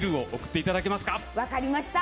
分かりました！